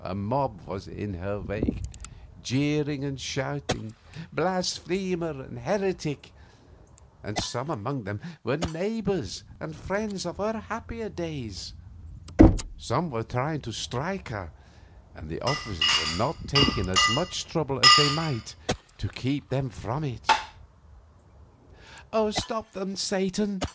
A mob was in her wake, jeering and shouting, "Blasphemer and heretic!" and some among them were neighbors and friends of her happier days. Some were trying to strike her, and the officers were not taking as much trouble as they might to keep them from it. "Oh, stop them, Satan!"